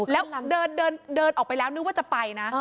แล้วเดินออกไปแล้วนึกว่าจะไปนะ